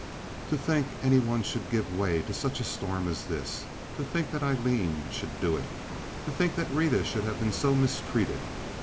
To think any one should give way to such a storm as this! To think that Aileen should do it! To think that Rita should have been so mistreated!